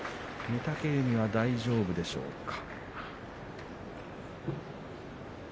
御嶽海は大丈夫でしょうか。